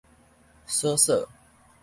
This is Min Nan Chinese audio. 鎖鎖